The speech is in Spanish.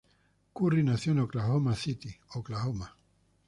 Currie nació en Oklahoma City, Oklahoma.